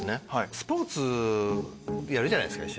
スポーツやるじゃないですか一緒に。